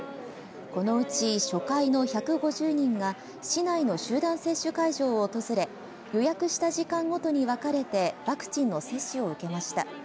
このうち初回の１５０人が、市内の集団接種会場を訪れ、予約した時間ごとに分かれてワクチンの接種を受けました。